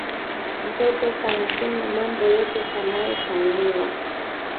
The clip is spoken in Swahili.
Ntoto kansema mambo yote kanayofanyiwa